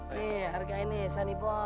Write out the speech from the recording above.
nih harga ini sani poh